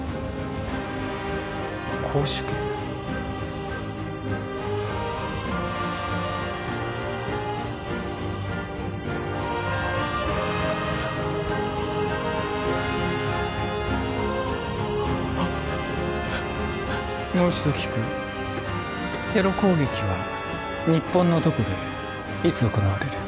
絞首刑だもう一度聞くテロ攻撃は日本のどこでいつ行われる？